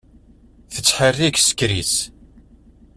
Tettḥerrik ssker-is.